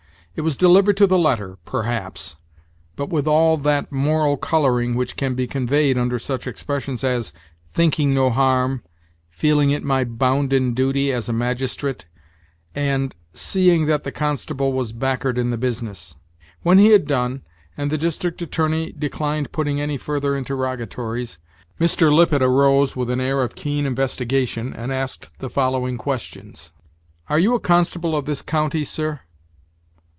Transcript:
It was delivered to the letter, perhaps, but with all that moral coloring which can be conveyed under such expressions as, "thinking no harm," "feeling it my bounden duty as a magistrate," and "seeing that the constable was back'ard in the business." When he had done, and the district attorney declined putting any further interrogatories, Mr. Lippet arose, with an air of keen investigation, and asked the following questions: "Are you a constable of this county, sir?"